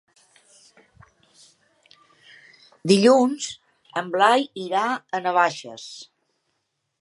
Dilluns en Blai irà a Navaixes.